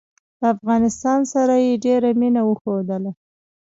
له افغانستان سره یې ډېره مینه وښودله.